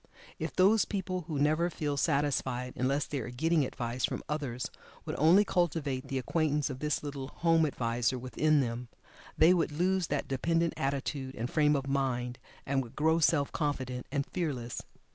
If those people who never feel satisfied unless they are getting "advice" from others would only cultivate the acquaintance of this little "home adviser" within them, they would lose that dependent attitude and frame of mind, and would grow self confident and fearless.